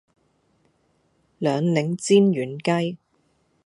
兩檸煎軟雞